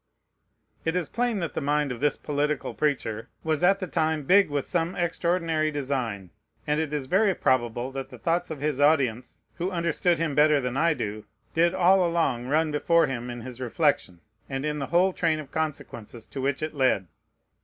It is plain that the mind of this political preacher was at the time big with some extraordinary design; and it is very probable that the thoughts of his audience, who understood him better than I do, did all along run before him in his reflection, and in the whole train of consequences to which it led.